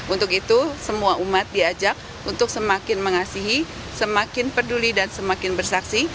untuk itu semua umat diajak untuk semakin mengasihi semakin peduli dan semakin bersaksi